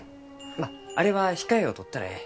まああれは控えをとったらえい。